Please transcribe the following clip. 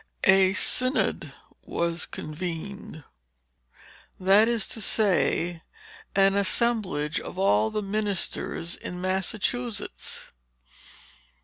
A synod was convened; that is to say, an assemblage of all the ministers in Massachusetts.